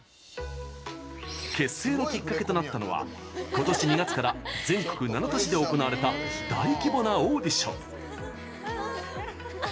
結成のきっかけとなったのは今年２月から全国７都市で行われた大規模なオーディション。